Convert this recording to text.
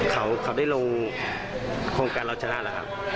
เขาได้ลงโครงการรับชนะหรือครับ